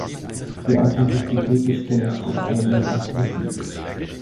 Die Authentizität des Skeletts ist allerdings umstritten.